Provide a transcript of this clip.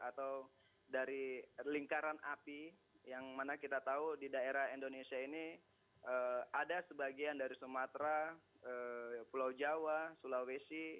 atau dari lingkaran api yang mana kita tahu di daerah indonesia ini ada sebagian dari sumatera pulau jawa sulawesi